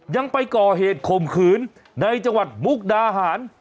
ยังไปก่อเหตุข่มขืนในจังหวัดมุกดาหาร